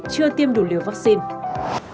chưa tiêm đủ liều vaccine